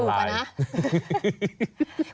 กระดูกอ่ะนะ